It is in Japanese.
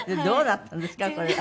どうなってるんですか？